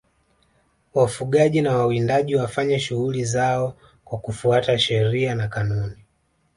wafugaji na wawindaji wafanye shughuli zao kwa kufuata sheria na kanuni